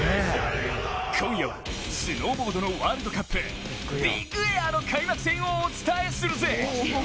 今夜はスノーボードのワールドカップ、ビッグエアの開幕戦をお伝えするぜ。